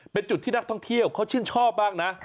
เป็นจุดที่นักท่องเที่ยวเขาชื่นชอบมากนะ